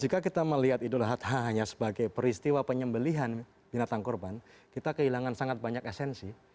jika kita melihat idul adha hanya sebagai peristiwa penyembelihan binatang korban kita kehilangan sangat banyak esensi